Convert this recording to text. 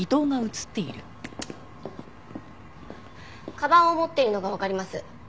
鞄を持っているのがわかります。